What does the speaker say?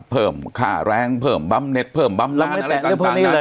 เพิ่มค่าแรงเพิ่มบั๊มเน็ตเพิ่มบั๊มร้านอะไรต่างต่าง